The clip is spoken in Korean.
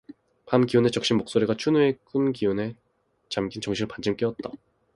밤 기운에 적신 목소리가 춘우의 꿈 기운에 잠긴 정신을 반쯤 깨웠다.